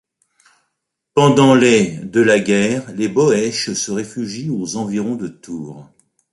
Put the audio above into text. Pendant les de la guerre les Boesch se réfugient aux environs de Tours.